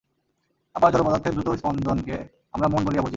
আবার জড়পদার্থের দ্রুত স্পন্দনকে আমরা মন বলিয়া বুঝি।